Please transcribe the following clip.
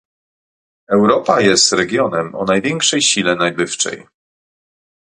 Europa jest regionem o największej sile nabywczej